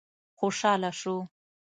خوشاله شو.